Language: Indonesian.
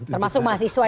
termasuk mahasiswa itu